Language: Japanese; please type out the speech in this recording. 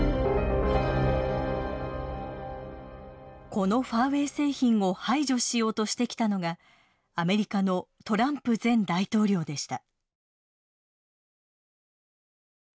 このファーウェイ製品を排除しようとしてきたのがアメリカのトランプ前大統領でした。